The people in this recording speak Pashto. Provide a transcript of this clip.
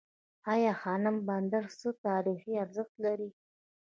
ای خانم بندر څه تاریخي ارزښت لري؟